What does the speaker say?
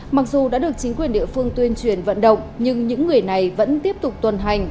mặc dù đã được chính quyền địa phương tuyên truyền vận động nhưng những người này vẫn tiếp tục tuần hành